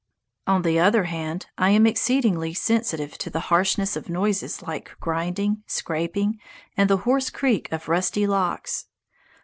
On the other hand, I am exceedingly sensitive to the harshness of noises like grinding, scraping, and the hoarse creak of rusty locks.